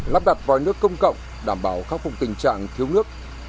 lắp đặt vòi nước công cộng đảm bảo khắc phục tình trạng thiếu nước